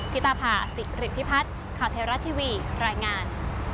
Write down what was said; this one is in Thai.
ตาผ่าสิริพิพัฒน์ข่าวไทยรัฐทีวีรายงาน